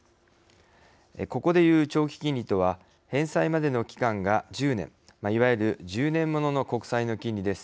ここでいう長期金利とは返済までの期間が１０年、いわゆる１０年ものの国債の金利です。